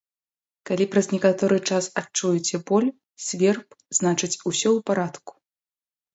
Калі праз некаторы час адчуеце боль, сверб, значыць, усё ў парадку!